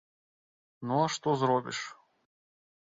Ну а што зробіш?